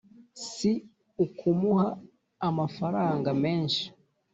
si ukumuha amafaranga menshi,